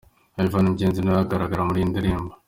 Yvan Ngenzi na we agaragara muri iyi ndirimbo.